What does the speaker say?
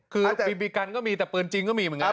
คือบีบีกันก็มีแต่ปืนจริงก็มีเหมือนกัน